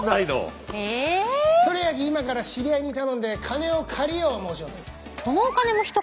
それやき今から知り合いに頼んで金を借りよう思うちょる。